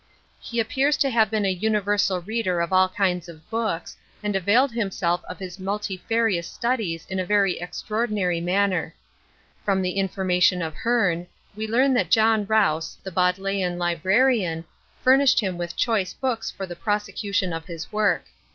He appears to have been a universal reader of all kinds of books, and availed himself of his multifarious studies in a very extraordinary manner. From the information of Hearne, we learn that John Rouse, the Bodleian librarian, furnished him with choice books for the prosecution of his work.